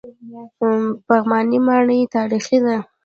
پغمان ماڼۍ تاریخي ده؟